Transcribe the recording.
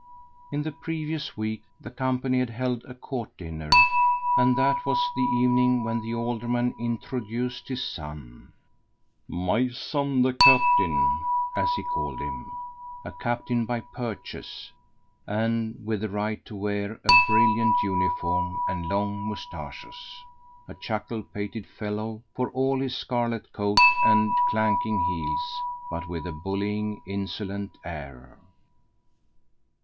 In the previous week the company had held a court dinner, and that was the evening when the alderman introduced his son "My son, the captain," as he called him a captain by purchase, and with the right to wear a brilliant uniform and long moustachios. A chuckle pated fellow, for all his scarlet coat and clanking heels, but with a bullying, insolent air.